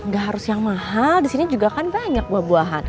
gak harus yang mahal di sini juga kan banyak buah buahan